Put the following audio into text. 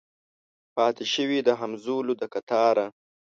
پاته شوي د همزولو د کتاره